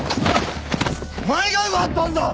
お前が奪ったんだ！